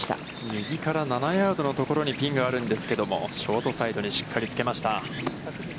右から７ヤードのところに、ピンがあるんですけれども、ショートサイドにしっかりつけました。